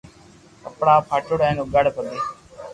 ڪپڙا پھاٽوڙا ھين اوگاڙي پگي